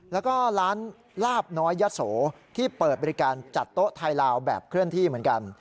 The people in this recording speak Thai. แล้วก็ร้านลาบน้อยยะโสที่เปิดบริการจัดโต๊ะไทยลาวแบบเคลื่อนที่เหมือนกัน